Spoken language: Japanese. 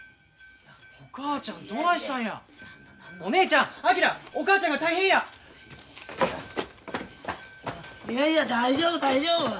いやいや大丈夫大丈夫。